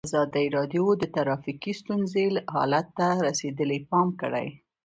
ازادي راډیو د ټرافیکي ستونزې حالت ته رسېدلي پام کړی.